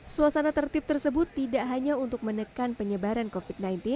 suasana tertib tersebut tidak hanya untuk menekan penyebaran covid sembilan belas